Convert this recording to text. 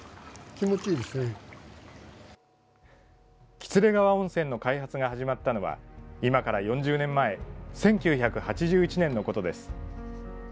喜連川温泉の開発が始まったのは今から４０年前１９８１年のことです。